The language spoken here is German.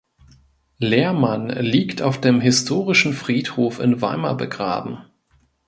Lehrmann liegt auf dem Historischen Friedhof in Weimar begraben.